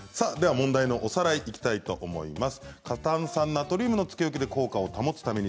問題のおさらいにいきたいと思います。